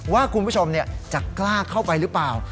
ว่าคุณผู้ชมจะกล้าเข้าไปหรือเปล่า